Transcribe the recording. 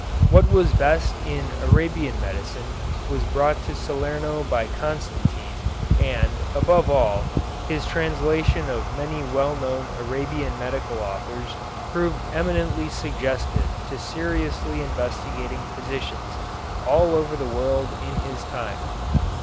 What was best in Arabian medicine was brought to Salerno by Constantine and, above all, his translation of many well known Arabian medical authors proved eminently suggestive to seriously investigating physicians all over the world in his time.